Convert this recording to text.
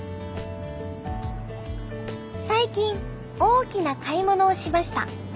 最近大きな買い物をしました。